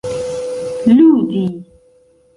ludi